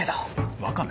ワカメ？